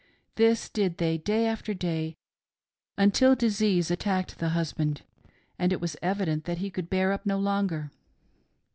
This they did day after day, until disease attacked the husband, and it was evident that he could bear up no longer.